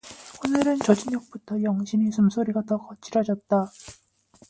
오늘은 초저녁부터 영신의 숨소리가 더 거칠어졌다.